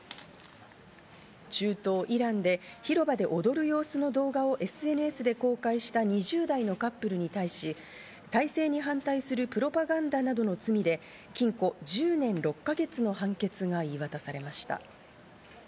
中東イランで、広場で踊る様子の動画をＳＮＳで公開した２０代のカップルに対し、体制に反対するプロパガンダなどの罪で、禁錮１０年６か月の判決が言い渡されました。